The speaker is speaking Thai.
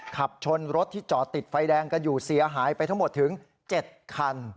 ขับชนรถที่จอดติดไฟแดงกันอยู่เสียหายไปทั้งหมดถึง๗คัน